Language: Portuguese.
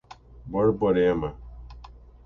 Borborema